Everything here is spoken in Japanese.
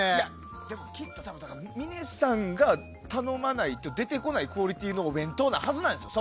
きっと峰さんが頼まないと出てこないクオリティーのお弁当のはずなんですよ。